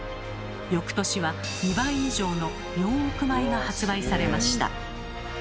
翌年は２倍以上の４億枚が発売されました。